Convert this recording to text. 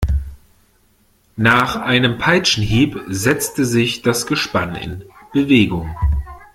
Nach einem Peitschenhieb setzte sich das Gespann in Bewegung.